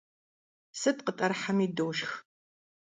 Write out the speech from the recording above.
Сыт къытӀэрыхьэми дошх!